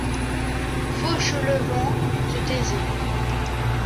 Fauchelevent se taisait.